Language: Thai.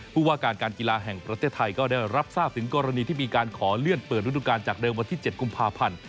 ผู้ว่าการการกีฬาแห่งประเทศไทยก็ได้รับทราบถึงกรณีที่มีการขอเลื่อนเปิดฤดูการจากเดิมวันที่๗กุมภาพันธ์